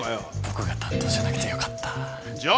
僕が担当じゃなくてよかった城！